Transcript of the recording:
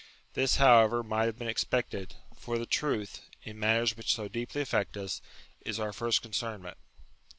This, however, might have been expected ; for the truth, in matters which so deeply affect us, is our first concernment.